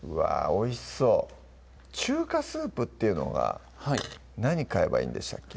おいしそう中華スープっていうのが何買えばいいんでしたっけ？